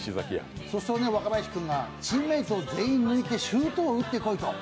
そうすると、若林君がチームメートを全員抜いてシュートを打ってこいと。